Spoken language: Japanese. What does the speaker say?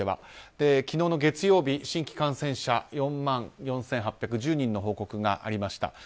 昨日の月曜日、新規感染者は４万４８１０人の報告がありました。